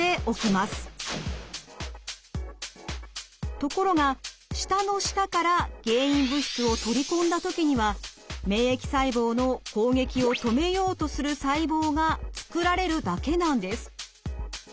ところが舌の下から原因物質を取り込んだ時には免疫細胞の攻撃を止めようとする細胞が作られるだけなんです。